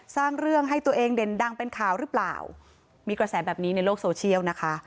สร้างเรื่องให้ตัวเองเด่นดังเป็นข่าวหรือเปล่ามีกระแสแบบนี้ในโลกโซเชียลนะคะ